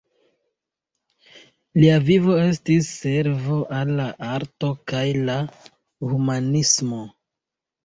Lia vivo estis servo al la arto kaj la humanismo.